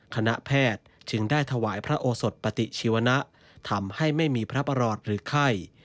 คณะแพทย์จึงได้ถวายพระโอสดปฏิชีวนะทำให้ไม่มีพระประหลอดหรือไข้